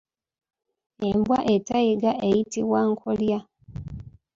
Embwa etayigga eyitibwa nkolya.